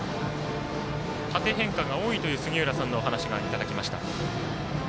縦変化が多いという杉浦さんのお話をいただきました。